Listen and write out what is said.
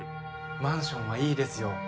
マンションはいいですよ。